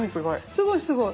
すごいすごい。